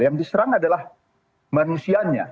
yang diserang adalah manusianya